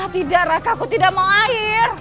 tidak raka aku tidak mau air